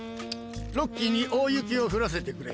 ロッキーに大雪を降らせてくれ。